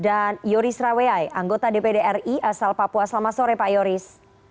dan yoris raweai anggota dpd ri asal papua selamat sore pak yoris